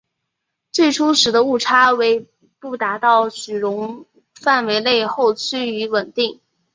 最初时的误差为不达到许容范围内后趋于稳定。